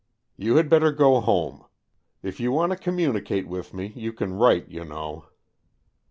You had better go home. If you want to communicate with me, you can write, you know.